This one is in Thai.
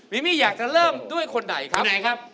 มิมิอยากจะเริ่มด้วยคนใครครับคุณไหนครับ